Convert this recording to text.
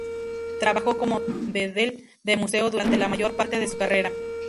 Trabajó como bedel de museo durante la mayor parte de su carrera.